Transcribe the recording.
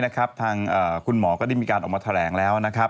ทางคุณหมอก็ได้มีการออกมาแถลงแล้วนะครับ